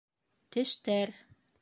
Тештәр